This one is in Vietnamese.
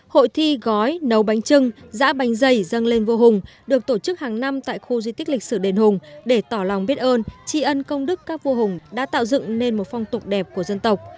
hội thi gói nấu bánh trưng giã bánh dày dân lên vua hùng được tổ chức hàng năm tại khu di tích lịch sử đền hùng để tỏ lòng biết ơn tri ân công đức các vua hùng đã tạo dựng nên một phong tục đẹp của dân tộc